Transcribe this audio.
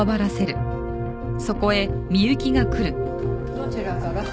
どちらから？